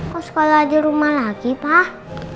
kok sekolah di rumah lagi pak